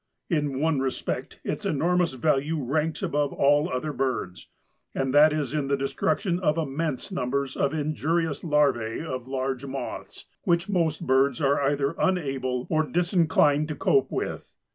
In one respect its enormous value ranks above all other birds, and that is in the destruction of immense numbers of injurious larvæ of large moths, which most birds are either unable or disinclined to cope with."